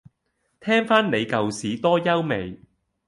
聽返你舊屎多優美